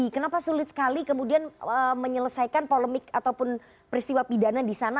kenapa sulit sekali kemudian menyelesaikan polemik ataupun peristiwa pidana di sana